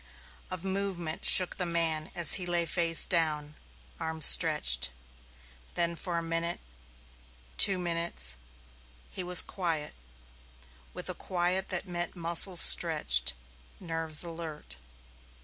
A movement shook the man as he lay face down, arms stretched. Then for a minute, two minutes, he was quiet, with a quiet that meant muscles stretched, nerves alert.